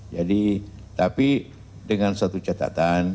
jadi tapi dengan satu catatan